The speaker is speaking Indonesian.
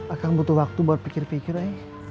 akan butuh waktu buat pikir pikir